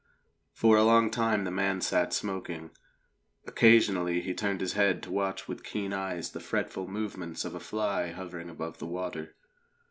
For a long time the man sat smoking. Occasionally he turned his head to watch with keen eyes the fretful movements of a fly hovering above the water.